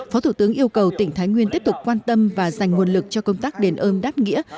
phó thủ tướng yêu cầu tỉnh thái nguyên tiếp tục quan tâm và dành nguồn lực cho công tác đền ơn đáp nghĩa